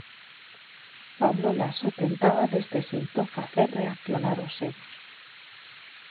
Pablo Laso tentaba deste xeito facer reaccionar os seus.